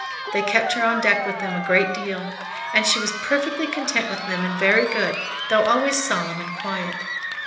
They kept her on deck with them a great deal, and she was perfectly content with them and very good, though always solemn and quiet.